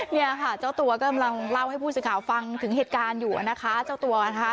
เนี่ยค่ะเจ้าตัวกำลังเล่าให้ผู้สื่อข่าวฟังถึงเหตุการณ์อยู่นะคะเจ้าตัวนะคะ